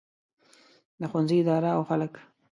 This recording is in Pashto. د ښوونځي اداره او خلک.